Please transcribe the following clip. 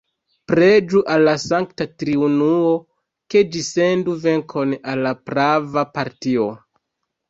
Preĝu al la Sankta Triunuo, ke Ĝi sendu venkon al la prava partio!